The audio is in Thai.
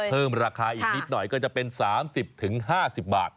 เพิ่มราคาอีกนิดหน่อยก็จะเป็น๓๐๕๐บาท